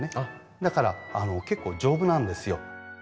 だから結構丈夫なんですよ。